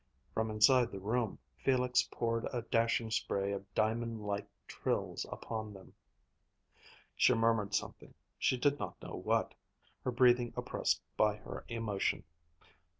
From inside the room Felix poured a dashing spray of diamond like trills upon them. She murmured something, she did not know what; her breathing oppressed by her emotion.